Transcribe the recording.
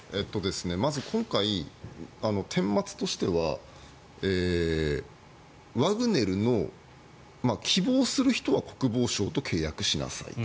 まず今回てん末としてはワグネルの希望する人は国防省と契約しなさいと。